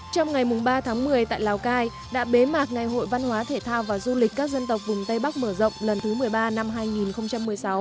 trong ngày ba tháng một mươi tại lào cai đã bế mạc ngày hội văn hóa thể thao và du lịch các dân tộc vùng tây bắc mở rộng lần thứ một mươi ba năm hai nghìn một mươi sáu